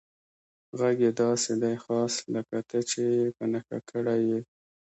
غږ یې داسې دی، خاص لکه ته چې یې په نښه کړی یې.